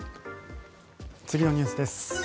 次のニュースです。